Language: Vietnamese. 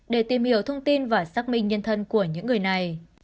để tìm hiểu thông tin và xác minh nhân thân của những người này